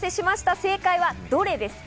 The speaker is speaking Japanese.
正解はどれですか？